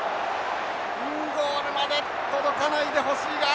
インゴールまで届かないでほしいが。